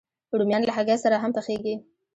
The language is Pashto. رومیان له هګۍ سره هم پخېږي